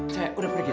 saya udah pergi